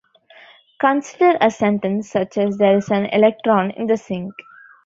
Consider a sentence such as There's an electron in the sink.